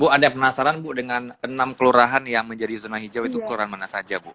bu ada penasaran bu dengan enam kelurahan yang menjadi zona hijau itu kelurahan mana saja bu